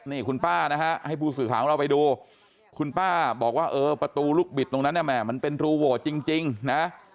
นี่คุณป้านะฮะให้ผู้สื่อข่าวของเราไปดูคุณป้าบอกว่าเออประตูลูกบิดตรงนั้นเนี่ยแม่มันเป็นรูโหวตจริงนะ